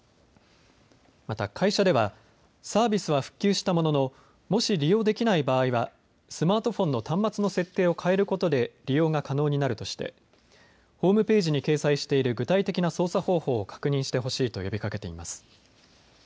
また会社ではサービスは復旧したものの、もし利用できない場合はスマートフォンの端末の設定を変えることで利用が可能になるとしてホームページに掲載している具体的な操作方法を確認してほしいと呼びかけています。